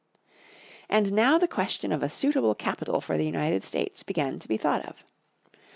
And now the question of a suitable capital for the United States began to be thought of.